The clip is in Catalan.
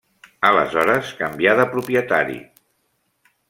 Aleshores canvià de propietari.